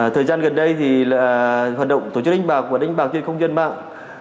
thời gian gần đây thì là hoạt động tổ chức đánh bạc và đánh bạc trên không gian mạng